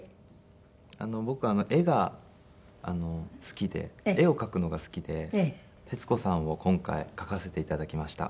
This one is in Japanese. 僕絵が好きで絵を描くのが好きで徹子さんを今回描かせて頂きました。